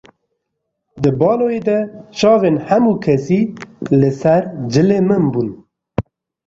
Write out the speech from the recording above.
Di baloyê de çavên hemû kesî li ser cilê min bûn.